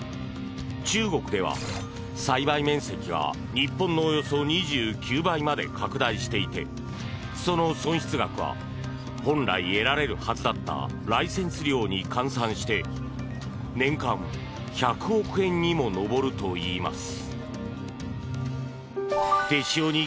中国では、栽培面積が日本のおよそ２９倍まで拡大していて、その損失額は本来得られるはずだったライセンス料に換算して年間１００億円にも上るといいます。